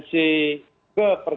saya sudah dewasa